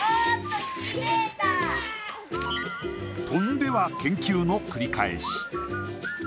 飛んでは研究の繰り返し。